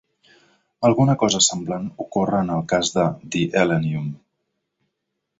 Alguna cosa semblant ocorre en el cas de "The Elenium".